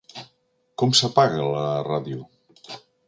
¿Com s'apaga la ràdio?